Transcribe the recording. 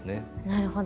なるほど。